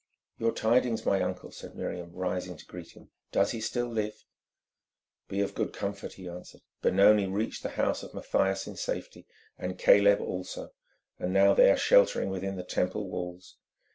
"Your tidings, my uncle?" said Miriam, rising to meet him. "Does he still live?" "Be of good comfort," he answered. "Benoni reached the house of Mathias in safety, and Caleb also, and now they are sheltering within the Temple walls.